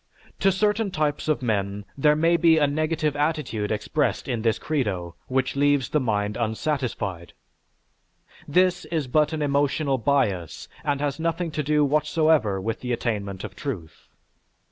To certain types of men there may be a negative attitude expressed in this credo, which leaves the mind unsatisfied. This is but an emotional bias and has nothing to do whatsoever with the attainment of truth.